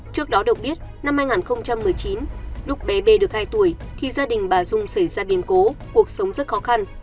trước đó được biết năm hai nghìn một mươi chín lúc bé b được hai tuổi thì gia đình bà dung xảy ra biến cố cuộc sống rất khó khăn